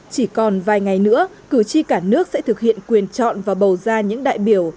chỉ còn vài ngày nữa cử tri cả nước sẽ thực hiện quyền chọn và bầu ra những đại biểu